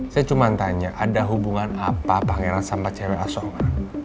saya cuma tanya ada hubungan apa pangeran sama cewek asoma